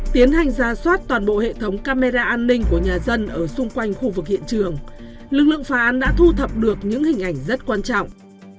tiến hành ra soát toàn bộ hệ thống camera an ninh của nhà dân ở xung quanh khu vực hiện trường lực lượng phá án đã thu thập được những hình ảnh rất quan trọng